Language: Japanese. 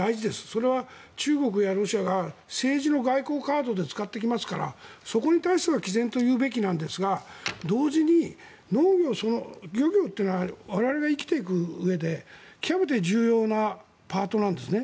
それは中国やロシアが政治の外交カードで使ってきますからそこに対してはきぜんと言うべきですが同時に漁業というのは我々が生きていくうえで極めて重要なパートなんですね。